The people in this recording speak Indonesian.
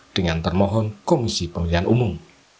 dengan termohon komisi pemilihan umum